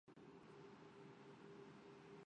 میں کل چھٹی کر ریا ہوں